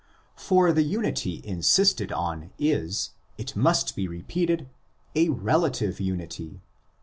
For the unity insisted on is, it must be repeated, 8 relative unity.